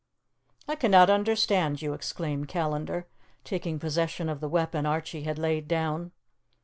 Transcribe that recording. "I cannot understand you!" exclaimed Callandar, taking possession of the weapon Archie had laid down.